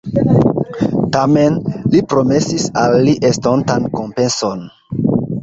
Tamen, li promesis al li estontan kompenson.